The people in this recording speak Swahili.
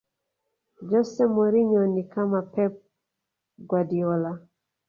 jose mourinho ni kama pep guardiola